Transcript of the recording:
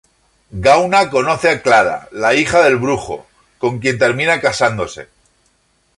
Gauna conoce a Clara, la hija del brujo, con quien termina casándose.